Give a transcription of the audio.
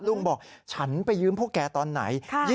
ลุงบอกฉันไปยืมพวกแกตอนไหน